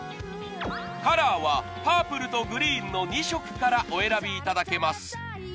カラーはパープルとグリーンの２色からお選びいただけます